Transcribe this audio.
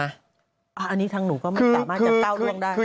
อันนี้ทั้งหนูก็ตามมาเต้าน่วงได้